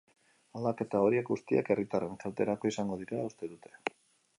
Aldaketa horiek guztiak herritarren kalterako izango direla uste dute.